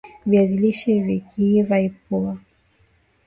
viazi lishe Vikiiva ipua